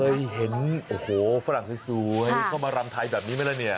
เคยเห็นโอ้โหฝรั่งสวยเข้ามารำไทยแบบนี้ไหมล่ะเนี่ย